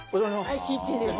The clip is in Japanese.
はいキッチンです。